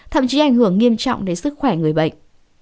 thậm chí ảnh hưởng nghiêm trọng đến sức khỏe người bệnh